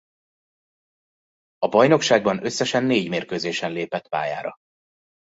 A bajnokságban összesen négy mérkőzésen lépett pályára.